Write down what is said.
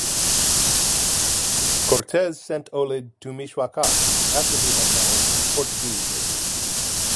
Cortes sent Olid to Michoacan, after he had married a Portuguese lady.